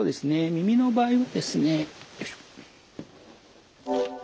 耳の場合はですね。